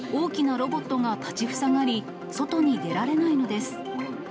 大きなロボットが立ちふさがり、外に出られないのです。